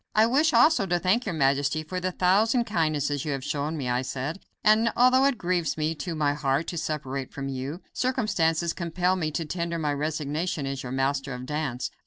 "I wish also to thank your majesty for the thousand kindnesses you have shown me," I said, "and, although it grieves me to the heart to separate from you, circumstances compel me to tender my resignation as your Master of Dance."